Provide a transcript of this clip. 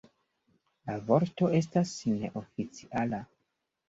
La vorto estas neoficiala.